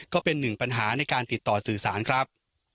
ก็เป็นหนึ่งปัญหาในการติดต่อสื่อสารครับ